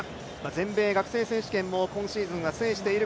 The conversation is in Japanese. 全米学生選手権も今シーズンは制している